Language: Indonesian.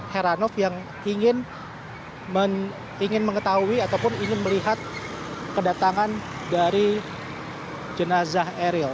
heranov yang ingin mengetahui ataupun ingin melihat kedatangan dari jenazah eril